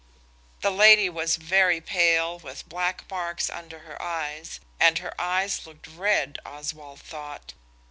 The lady was very pale with black marks under her eyes, and her eyes looked red, Oswald thought.